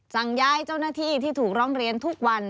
สั่งย้ายเจ้าหน้าที่ที่ถูกร้องเรียนทุกวัน